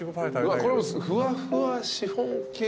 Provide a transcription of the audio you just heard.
うわこれもふわふわシフォンケーキ。